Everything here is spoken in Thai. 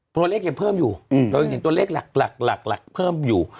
ตัวเลขยังเพิ่มอยู่เรายังเห็นตัวเลขหลักเพิ่มอยู่